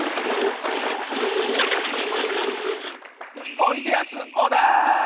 おいでやす小田！